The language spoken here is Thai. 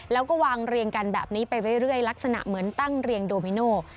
แล้วก็วางเรียงกันแบบนี้ไปเรื่อยลักษณะเหมือนตั้งเรียงโดมิโน